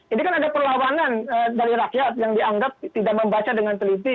ini kan ada perlawanan dari rakyat yang dianggap tidak membaca dengan teliti